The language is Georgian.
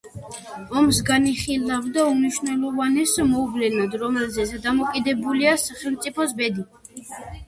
ომს განიხილავდა უმნიშვნელოვანეს მოვლენად, რომელზეც დამოკიდებულია სახელმწიფოს ბედი.